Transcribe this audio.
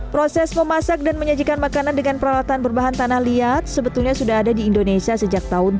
proses memasak dan menyajikan makanan dengan peralatan berbahan tanah liat sebetulnya sudah ada di indonesia sejak tahun dua ribu